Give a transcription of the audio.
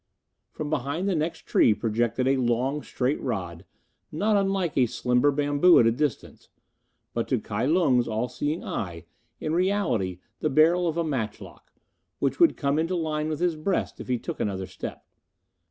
From behind the next tree projected a long straight rod, not unlike a slender bamboo at a distance, but, to Kai Lung's all seeing eye, in reality the barrel of a matchlock, which would come into line with his breast if he took another step.